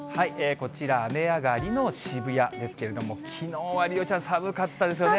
こちら、雨上がりの渋谷ですけれども、きのうは梨央ちゃん、寒かったですよね。